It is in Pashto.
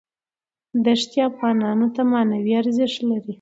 دښتې افغانانو ته معنوي ارزښت لري.